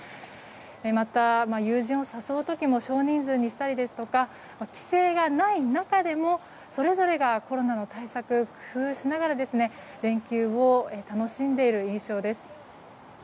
また、友人を誘う時も少人数にしたりですとか規制がないなかでもそれぞれがコロナの対策工夫しながら連休を楽しんでいる印象です。